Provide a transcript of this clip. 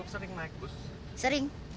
cukup sering naik bus